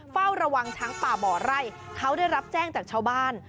เฝ้าระวังช้างป่าบ่อไร่เขาได้รับแจ้งจากชาวบ้าน